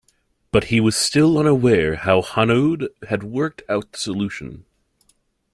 But he was still unaware how Hanaud had worked out the solution.